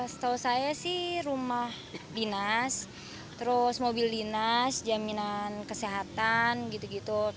setahu saya sih rumah dinas terus mobil dinas jaminan kesehatan gitu gitu